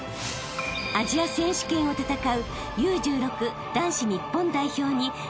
［アジア選手権を戦う］